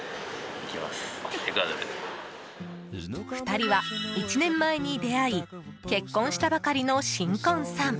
２人は１年前に出会い結婚したばかりの新婚さん。